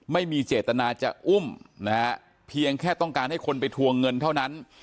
ไม่มีเจตนาจะอุ้มนะฮะเพียงแค่ต้องการให้คนไปทวงเงินเท่านั้น